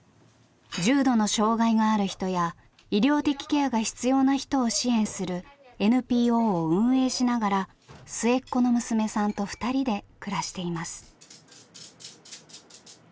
重度の障害がある人や医療的ケアが必要な人を支援するＮＰＯを運営しながら末っ子の娘さんと２人で暮らしています。